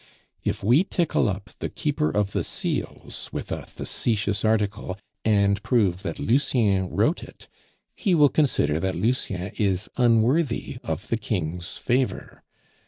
If we tickle up the Keeper of the Seals with a facetious article, and prove that Lucien wrote it, he will consider that Lucien is unworthy of the King's favor.